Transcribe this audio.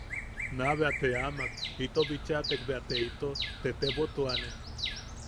Naa bea te amak ito bichatek bea te ito tetebotuane.